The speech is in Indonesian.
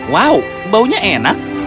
wow baunya enak